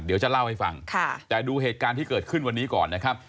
เดี๋ยวจะเล่าให้ฟังแต่ดูเหตุการณ์ที่เกิดขึ้นวันนี้ก่อนนะครับ